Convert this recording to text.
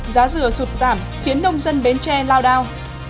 giá dừa sụt giảm khiến nông dân bến tre lao đao